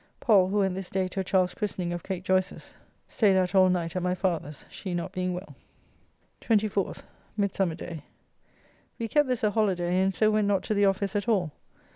Pall, who went this day to a child's christening of Kate Joyce's, staid out all night at my father's, she not being well. 24th (Midsummer day). We kept this a holiday, and so went not to the office at all.